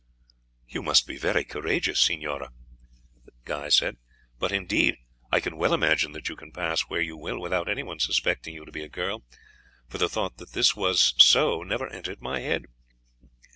"You must be very courageous, signora," Guy said; "but, indeed, I can well imagine that you can pass where you will without anyone suspecting you to be a girl, for the thought that this was so never entered my head."